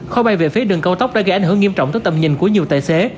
kho bay về phía đường cao tốc đã gây ảnh hưởng nghiêm trọng tới tầm nhìn của nhiều tài xế